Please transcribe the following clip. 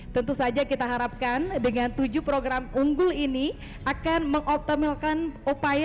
tentu saja kita harapkan dengan tujuh program unggul ini akan mengoptimalkan upaya